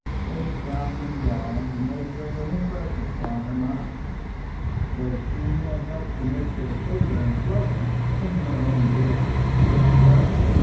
They had come and gone, and made very little impression upon her mind, though she had helped to make their sojourn pleasant in her own brisk cheery way.